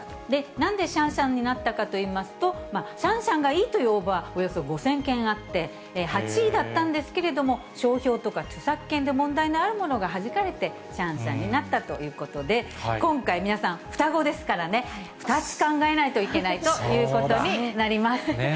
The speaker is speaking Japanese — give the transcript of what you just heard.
なんでシャンシャンになったかといいますと、シャンシャンがいいという応募は、およそ５０００件あって、８位だったんですけども、商標とか著作権で問題のあるものがはじかれて、シャンシャンになったということで、今回、皆さん、双子ですからね、２つ考えないといけないということになります。